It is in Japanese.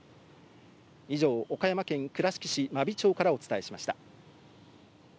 以上、岡山県倉敷市真備町からお伝えしました。